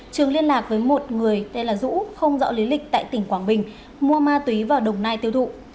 trường liên lạc với một người tên là dũ không rõ lý lịch tại tỉnh quảng bình mua ma túy vào đồng nai tiêu thụ